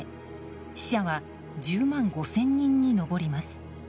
死者は１０万５０００人に上ります。